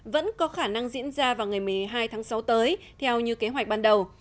vẫn có khả năng diễn ra vào ngày một mươi hai tháng sáu tới theo như kế hoạch ban đầu